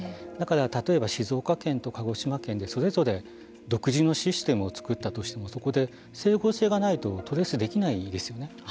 だから、例えば静岡県と鹿児島県でそれぞれ独自のシステムを作ったとしてもそこで整合性がないとトレースできないですよね。